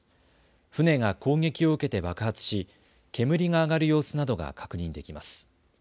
船が攻撃を受けて爆発し煙が上がる様子などが確認できます。